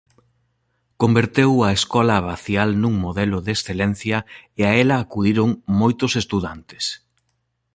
Converteu a escola abacial nun modelo de excelencia e a ela acudiron moitos estudantes.